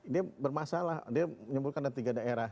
dia bermasalah dia menyimpulkan ada tiga daerah